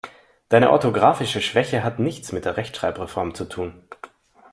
Deine orthografische Schwäche hat nichts mit der Rechtschreibreform zu tun.